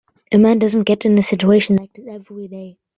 A man doesn't get in a situation like this every day.